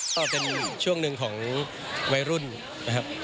ก็เป็นช่วงหนึ่งของวัยรุ่นนะครับ